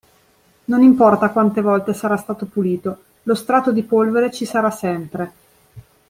Non importa quante volte sarà stato pulito, lo strato di polvere ci sarà sempre.